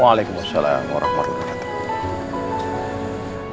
waalaikumsalam warahmatullahi wabarakatuh